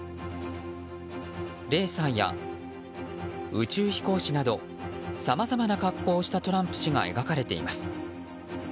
レーサーや宇宙飛行士などさまざまな格好をしたトランプ氏が描かれています。